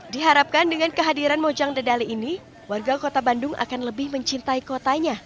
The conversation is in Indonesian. diharapkan dengan kehadiran mojang dedali ini warga kota bandung akan lebih mencintai kotanya